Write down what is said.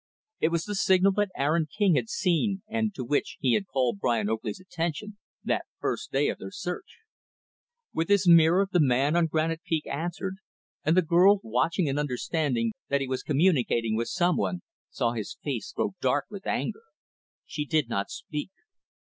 It was the signal that Aaron King had seen and to which he had called Brian Oakley's attention, that first day of their search. With his mirror, the man on Granite Peak answered and the girl, watching and understanding that he was communicating with some one, saw his face grow dark with anger. She did not speak.